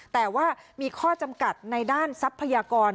แต่ว่ามีข้อจำกัดในด้านทรัพยากร